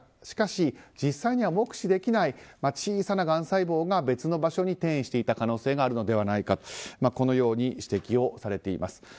しかし、実際には目視できない小さながん細胞が別の場所に転移していた可能性があるのではないかとこのように指摘をされています。